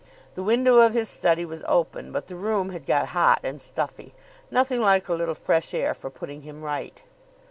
The window of his study was open, but the room had got hot and stuffy. Nothing like a little fresh air for putting him right.